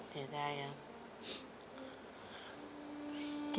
เสียใจครับ